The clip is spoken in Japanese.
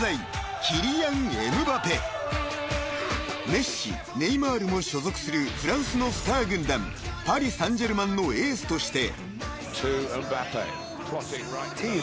［メッシネイマールも所属するフランスのスター軍団パリ・サンジェルマンのエースとして］